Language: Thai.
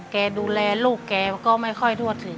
แกดูแลลูกแกก็ไม่ค่อยทั่วถึง